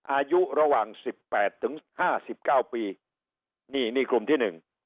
อายุระหว่าง๑๘๕๙ปีนี่คลุมที่๑